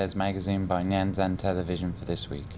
cũng xin được tạm dừng tại đây